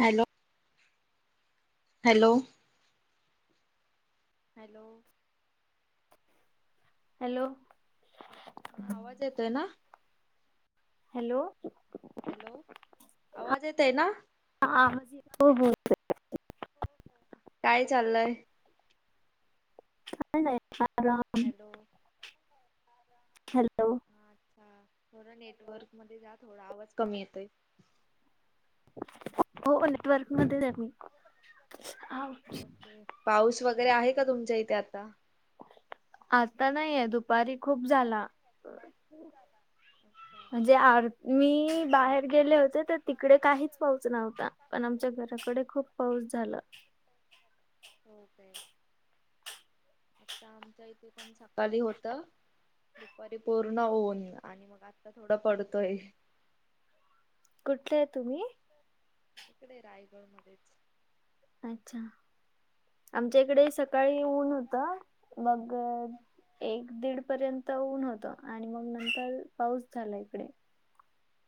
Hello! Hello! Hello! Hello! आवाज येतोय ना. हॅलो! हॅलो! आवाज येत आहे ना. आवाज येतोय हो. काय चाललंय? काय नाही बघा. हॅलो! हॅलो! अच्छा थोडं नेटवर्क मध्ये जा थोडा आवाज कमी येतोय. हो नेटवर्कमध्येच आहे मी पाऊस वगैरे आहे का तुमच्या इथे आता आता नाहीये दुपारी खूप झाला म्हणजे आर मी बाहेर गेले होते ते तिकडे काहीच पाऊस नव्हता पण आमच्या घराकडे खूप पाऊस झाला. ओके. आता आमच्या इथे पण सकाळी होत. दुपारी पूर्ण ऊन आणि मग आता थोडा पडतोय. कुठले आहे तुम्ही? इकडे रायगड मध्येच. अच्छा आमच्या इकडे स सकाळी ऊन होत, मग एक दीड पर्यंत तर ऊन होत आणि मग नंतर पाऊस झाला इकडे.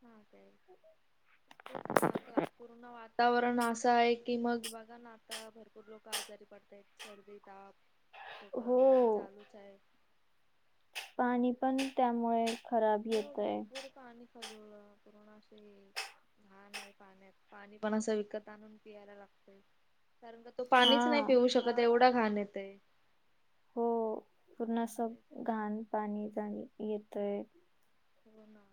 हा काय तेच ना क्ला पुर्ण वातावरण, वातावरण असं आहे कि मग बघा ना आता भरपूर लोक आ आजारी पडतायत सर्दी, ताप, खोकला वगैरे हो चालूच आहे. पाणी पण त्यामुळे खराब येतय. पाणी गढुळ पुर्ण अस हे हा नाही पाण्यात पाणी पण असं विकत आणून पियायला लागतय कारण का तो पाणीच हा नाही पिऊ शकत एवढ घाण येतय. हो पूर्ण अस घाण पाणी जाणी येतय. हो ना.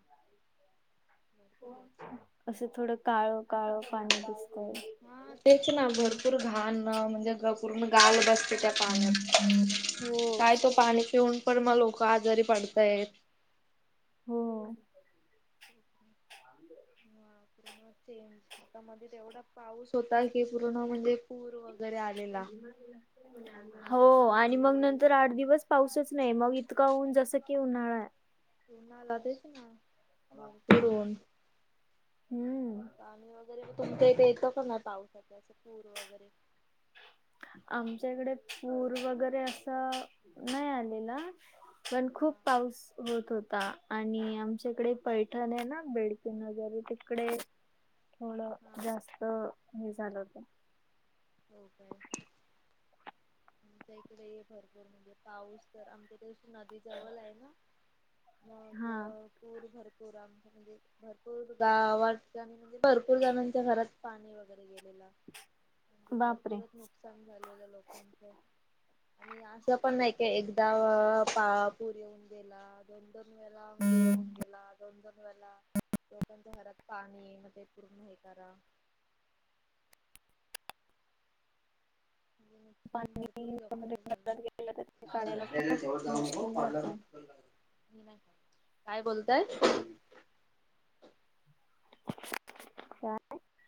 असं थोडं काळं काळं पाणी दिसतय. हा तेच ना भरपूर घाण म्हणजे ग पूर्ण गाळ बसते त्या हो पाण्यात काय तो पाणी पिऊन पण मग लोक लोक आजारी पडतायत. हो. सेम आता मध्ये एवढा पाऊस होता की पूर्ण म्हणजे हो आणि आणि मग नंतर आठ दिवस पाऊसच नाही मग इतका होऊन जसं की उन्हाळाय. उन्हाळा तेच ना भरपूर ऊन हम्म. पाणी वगैरे तुमच्या इथे येतो का नाही पावसाचा असं पूर वगैरे. आमच्या इकडे पूर वगैरे असं नाही आलेला, पण खूप पाऊस होत होता आणि आमच्या इकडे पैठण आहे ना बेडकी नगर तिकडे [inaudible] थोड जास्त हे झालं होत. [unintelligible] इकडे भरपूर म्हणजे पाऊस तर आमच्या हित कशी नदी जवळ आहे ना. मग हा पूर भरपूर आमच्याक भरपूर गावातल्या म्हणजे भरपूर जणांच्या घरात पाणी वगैरे गेलेल. बापरे भरपूरच नुकसान झालेलं लोकांचं. अस पण नाय की एकदा पा पूर येऊन गेला दोन दोन वेला म्हणजे येऊन गेला दोन दोन वेला लोकांच्या घरात पाणी मध्ये पूर्ण हे करा नुकसान भरपूर पाणी वगैरे लोकांच झाल. घरात गेलं तर ते असं काढायला घाणेरड ठेवत खूप जाऊन नको मुश्किल पार्लर जातं. काय बोलताय?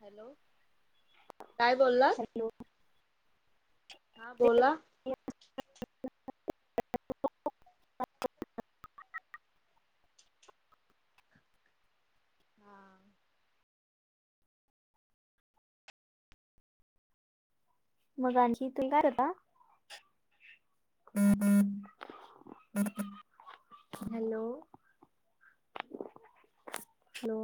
हॅलो, काय बोलला? हॅलो! हा बोला! मग आणखी हॅलो! हॅलो!